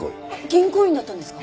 銀行員だったんですか？